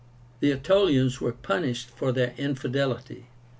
The Aetolians were punished for their infidelity.